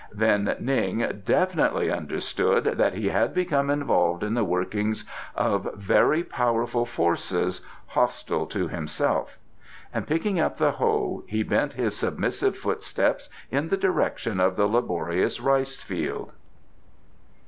Then Ning definitely understood that he had become involved in the workings of very powerful forces, hostile to himself, and picking up the hoe he bent his submissive footsteps in the direction of the laborious rice field.